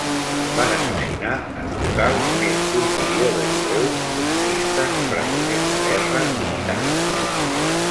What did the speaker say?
Van assassinar en total més d'un milió de jueus, comunistes, presoners de guerra i gitanos.